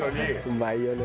うまいよね。